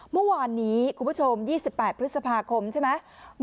เมื่อวานนี้คุณผู้ชมยี่สิบแปดพฤษภาคมใช่ไหม